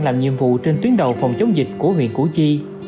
làm nhiệm vụ trên tuyến đầu phòng chống dịch của huyện củ chi